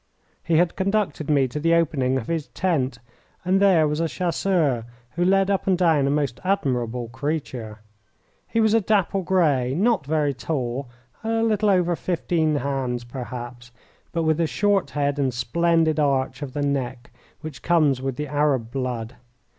He had conducted me to the opening of his tent, and there was a chasseur who led up and down a most admirable creature. He was a dapple grey, not very tall, a little over fifteen hands perhaps, but with the short head and splendid arch of the neck which comes with the Arab blood.